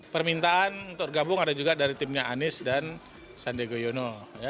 permintaan untuk gabung ada juga dari timnya anies dan sandi goyono